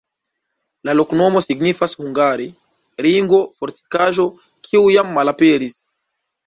La loknomo signifas hungare: ringo-fortikaĵo, kiu jam malaperis.